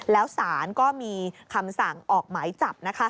แล้วสารก็มีคำสั่งออกหมายจับ